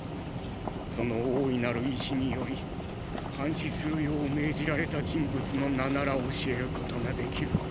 その大いなる意思により監視するよう命じられた人物の名なら教えることができる。